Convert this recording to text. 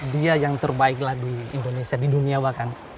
dia yang terbaiklah di indonesia di dunia bahkan